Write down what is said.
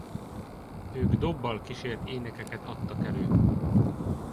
Ők dobbal kísért énekeket adtak elő.